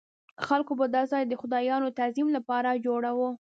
خلکو به دا ځای د خدایانو د تعظیم لپاره جوړاوه.